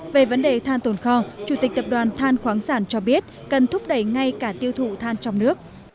về vấn đề than tồn kho chủ tịch tập đoàn than khoáng sản cho biết cần thúc đẩy ngay cả tiêu thụ than trong nước